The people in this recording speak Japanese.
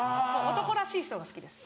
男らしい人が好きです。